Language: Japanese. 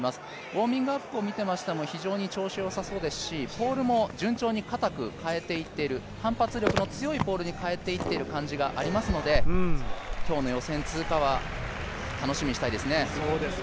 ウオーミングアップを見ていましても非常に調子よさそうですしポールも順調にかたく替えていってる、反発力の強いポールに変えていってる感じがありますので今日の予選通過は楽しみにしたいですね。